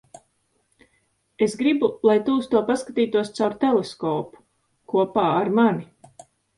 Es gribu, lai tu uz to paskatītos caur teleskopu - kopā ar mani.